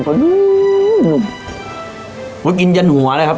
ตัวที่อีกก็นุ่มมันกินยันหัวเลยครับ